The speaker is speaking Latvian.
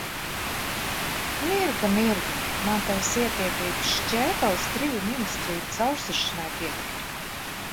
Mirga, Mirga, man tavas ietiepības šķēpeles triju ministriju caursišanai pietiktu!